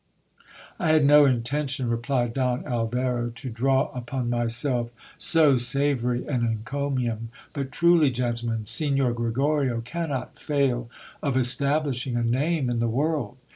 I had no intention, replied Don Alvaro, to draw upon myself so savoury an encomium ; but truly, gentlemen, Signor Gregorio cannot fail of establishing a name in the world.